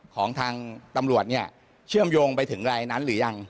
ของทางตำรวจเนี่ยเชื่อมโยงไปถึงรายนั้นหรือยัง